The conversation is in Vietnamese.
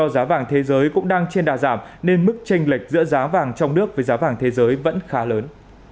giá vàng thế giới cũng đang trên đà giảm nên mức tranh lệch giữa giá vàng trong nước với giá vàng thế giới vẫn khá lớn